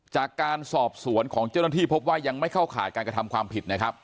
จากการสอบสวนของเจ้าหน้าที่พบว่ายังไม่เข้าข่ายการกระทำความผิดนะครับ